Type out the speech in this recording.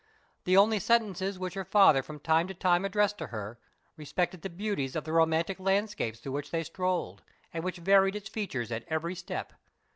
The only sentences which her father from time to time addressed to her, respected the beauties of the romantic landscape through which they strolled, and which varied its features at every step.